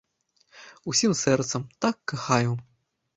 Усім сэрцам, так кахаю!